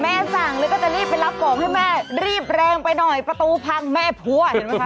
สั่งแล้วก็จะรีบไปรับของให้แม่รีบแรงไปหน่อยประตูพังแม่พัวเห็นไหมคะ